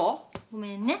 ごめんね。